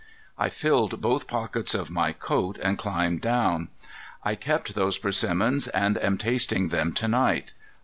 I filled both pockets of my coat and climbed down. I kept those persimmons and am tasting them to night.